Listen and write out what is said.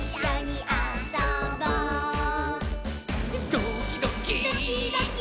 「ドキドキ」ドキドキ。